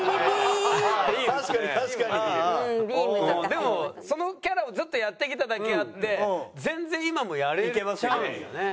でもそのキャラをずっとやってきただけあって全然今もやれちゃうんだね。